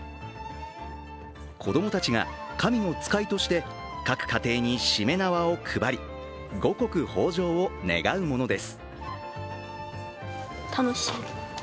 子供たちが神の使いとして各家庭にしめ縄を配り五穀豊穣を願うものです。